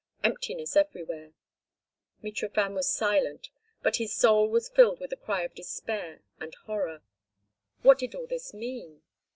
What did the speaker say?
Emptiness everywhere. Mitrofan was silent, but his soul was filled with a cry of despair and horror. What did all this mean?